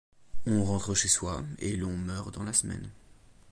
On rentre chez soi, et l'on meurt dans la semaine.